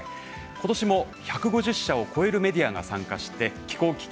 今年も１５０社を超えるメディアが参加して気候危機